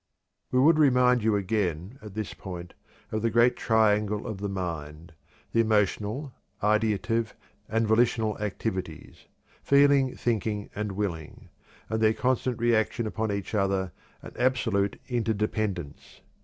We would remind you again, at this point, of the great triangle of the mind, the emotional, ideative, and volitional activities feeling, thinking, and willing and their constant reaction upon each other and absolute interdependence.